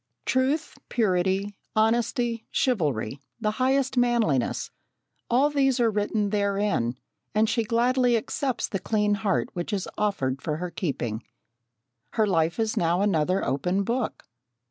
Truth, purity, honesty, chivalry, the highest manliness all these are written therein, and she gladly accepts the clean heart which is offered for her keeping. Her life is now another open book.